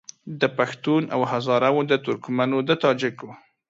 د پښتون او هزاره وو د ترکمنو د تاجکو